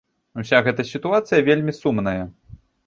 Уся гэта сітуацыя вельмі сумная.